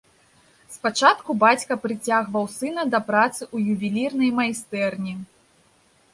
Спачатку бацька прыцягваў сына да працы ў ювелірнай майстэрні.